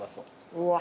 うわ。